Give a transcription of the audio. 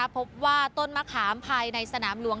พบว่าต้นมะขามภายในสนามหลวง